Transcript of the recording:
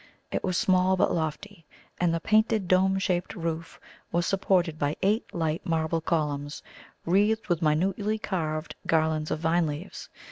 It was small, but lofty, and the painted dome shaped roof was supported by eight light marble columns, wreathed with minutely carved garlands of vine leaves.